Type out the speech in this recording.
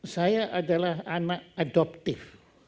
saya adalah anak adoptif